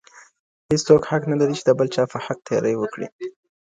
هیڅوک حق نه لري چي د بل چا په حق تېری وکړي.